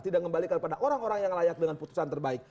tidak kembalikan pada orang orang yang layak dengan putusan terbaik